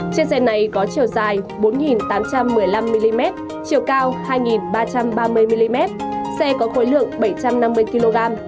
trên xe này có chiều dài bốn tám trăm một mươi năm mm chiều cao hai ba trăm ba mươi mm xe có khối lượng bảy trăm năm mươi kg